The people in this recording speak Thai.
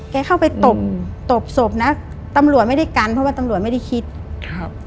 เข้าไปตบตบศพนะตำรวจไม่ได้กันเพราะว่าตำรวจไม่ได้คิดครับ